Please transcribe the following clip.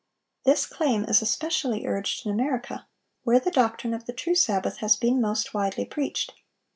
This claim is especially urged in America, where the doctrine of the true Sabbath has been most widely preached.